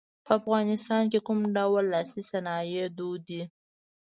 په افغانستان کې کوم ډول لاسي صنایع دود دي.